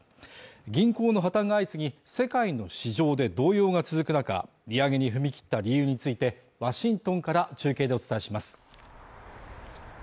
銀行の破綻が相次ぎ、世界の市場で動揺が続く中、利上げに踏み切った理由についてワシントンから中継でお伝えします。